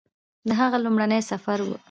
د هغه لومړنی سفر و